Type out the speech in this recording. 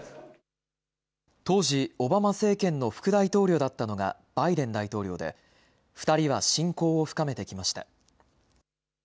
当時、オバマ政権の副大統領だったのがバイデン大統領で、２人は親交を深めてきました。